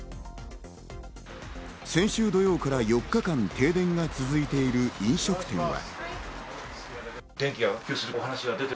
先週土曜から４日間、停電が続いている飲食店は。